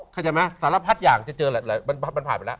เข้าใจไหมสารพัดอย่างจะเจอมันผ่านไปแล้ว